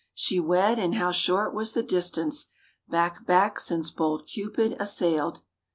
She wed, and how short was the distance Back, back since bold Cupid assailed.